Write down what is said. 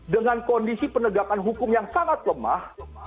dengan kondisi penegakan hukum yang sangat lemah